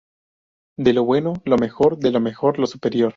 De lo bueno, lo mejor. De lo mejor, lo superior